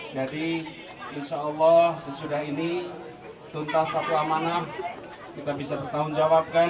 jadi insya allah sesudah ini tuntas satu amanah kita bisa bertahun jawabkan